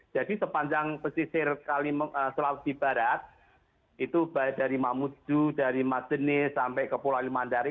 jadi sepanjang pesisir sulawesi barat dari mamuju dari madene sampai ke pulau limandari